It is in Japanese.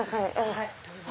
はいどうぞ。